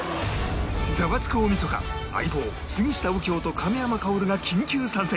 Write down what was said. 『ザワつく！大晦日』『相棒』杉下右京と亀山薫が緊急参戦！